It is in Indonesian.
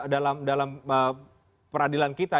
dalam peradilan kita